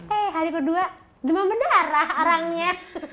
eh hari kedua demam berdarah orangnya